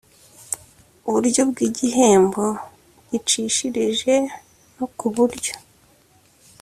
buryo bw igihembo gicishirije no ku buryo